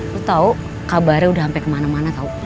lo tau kabarnya udah sampe kemana mana tau